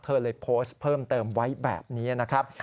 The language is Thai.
เธอเลยโพสต์เพิ่มเติมไว้แบบนี้นะครับ